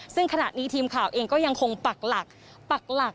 ซึ่งขณะนี้ทีมข่าวเองก็ยังคงปากหลัก